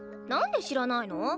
なんで知らないの？